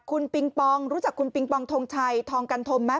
คุณปิงปองรู้จักคุณปิงปองทงชัยทองกันธมไหม